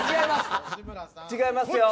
違います！